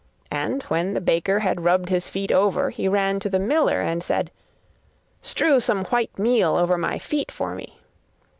And when the baker had rubbed his feet over, he ran to the miller and said: 'Strew some white meal over my feet for me.